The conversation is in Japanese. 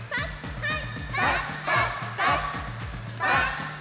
はい。